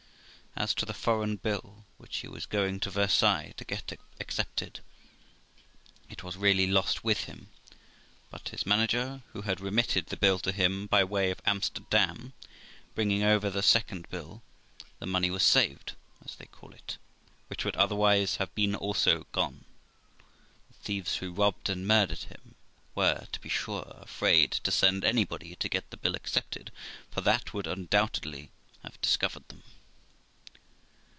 As to the foreign bill which he was going to Versailles to get accepted, it was really lost with him; but his manager, who had remitted the bill to him, by way of Amsterdam, bringing over the second bill, the money was saved, as they call it, which would otherwise have been also gone; the thieves who robbed and murdered him were, to be sure, afraid to send anybody to get the bill accepted, for that would undoubtedly have discovered them.